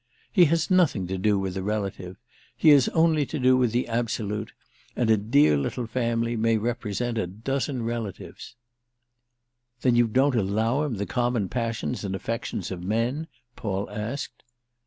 He has nothing to do with the relative—he has only to do with the absolute; and a dear little family may represent a dozen relatives." "Then you don't allow him the common passions and affections of men?" Paul asked.